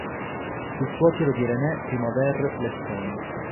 Fu suocero di René-Primevère Lesson.